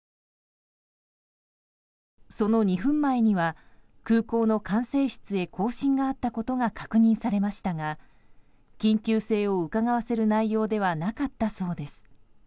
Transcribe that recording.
その２分前には空港の管制室へ交信があったことが確認されましたが緊急性をうかがわせる内容ではなかったそうです。